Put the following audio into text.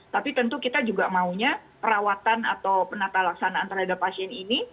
tapi tentu kita juga maunya perawatan atau penata laksanaan terhadap pasien ini